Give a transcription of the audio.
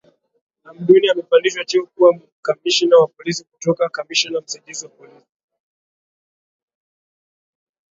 Hamduni amepandishwa cheo kuwa kamishna wa polisi kutoka kamishna msaidizi wa polisi